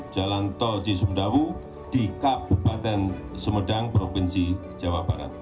jalan tol cisumdawu di kabupaten sumedang provinsi jawa barat